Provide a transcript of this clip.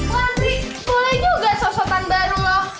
londri boleh juga sosotan baru loh